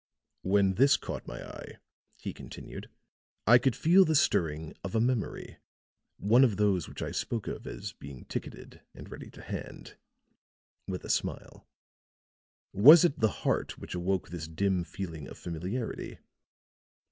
"When this caught my eye," he continued, "I could feel the stirring of a memory one of those which I spoke of as being ticketed and ready to hand," with a smile. "Was it the heart which awoke this dim feeling of familiarity?